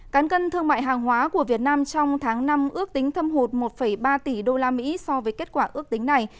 cán cân thương mại hàng hóa của việt nam trong tháng năm ước tính thâm hụt một ba tỷ usd so với kết quả ước tính này